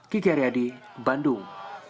kiki aryadi bandung